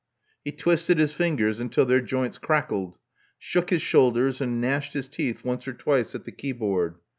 He twisted his fingers until their joints crackled; shook his shoulders; and gnashed his teeth once or twice at the keyboard.